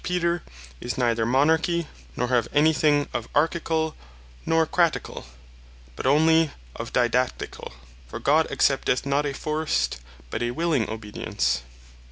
Peter, is neither Monarchy, nor hath any thing of Archicall, nor Craticall, but onely of Didacticall; For God accepteth not a forced, but a willing obedience.